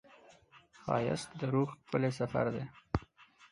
ښایست د روح ښکلی سفر دی